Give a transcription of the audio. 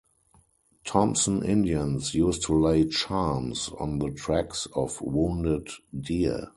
Thompson Indians used to lay charms on the tracks of wounded deer.